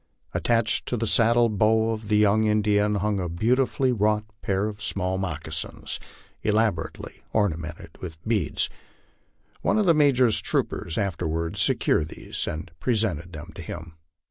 Attached to the saddle bow of the young In* dian hung a beautifully wrought pair of small moccasins, elaborately orna mented with beads. One of the Major's troopers afterward secured these an 1 presented them to him.